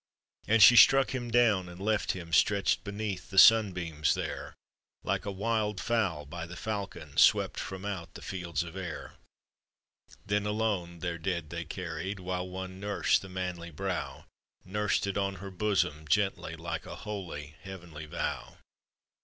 And she struck him down and left him Stretched beneath the sunbeams there, Like a wild fowl by the falcon Swept from out the fields of air. Then, alone, their dead they carried, While one nursed the manly brow — Nursed it on her bosom gently, Like a holy, heavenly vow.